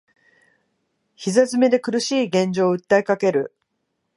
膝詰めで苦しい現状を訴えかける